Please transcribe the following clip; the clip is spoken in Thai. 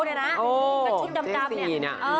แต่ชุดดำดำนี่